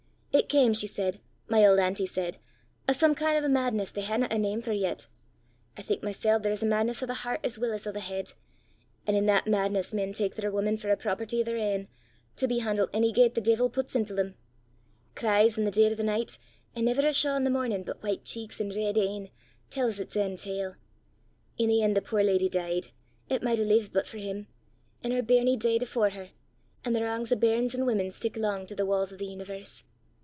It cam, she said my auld auntie said o' some kin' o' madness they haena a name for yet. I think mysel' there's a madness o' the hert as weel 's o' the heid; an' i' that madness men tak their women for a property o' their ain, to be han'led ony gait the deevil pits intil them. Cries i' the deid o' the nicht, an' never a shaw i' the mornin' but white cheeks an' reid een, tells its ain tale. I' the en', the puir leddy dee'd, 'at micht hae lived but for him; an' her bairnie dee'd afore her; an' the wrangs o' bairns an' women stick lang to the wa's o' the universe!